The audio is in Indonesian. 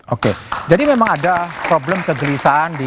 oke jadi memang ada problem kejelisaan di kalangan akademisi